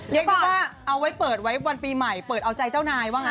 เรียกได้ว่าเอาไว้เปิดไว้วันปีใหม่เปิดเอาใจเจ้านายบ้างคะ